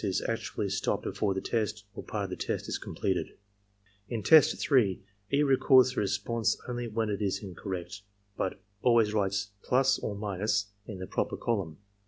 is actually stopped before the test or part of the test is completed. In test 3, E. records the response only when it is incorrect; but always writes + or — in the proper column.